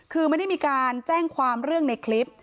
คือไม่ได้มีการแจ้งความเรื่องในคลิป